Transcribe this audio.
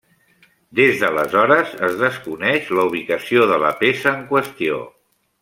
Des d'aleshores es desconeix la ubicació de la peça en qüestió.